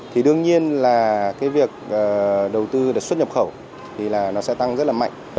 thì đương nhiên là cái việc đầu tư xuất nhập khẩu thì nó sẽ tăng rất là mạnh